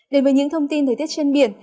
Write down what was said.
đến với những thông tin thời tiết trên biển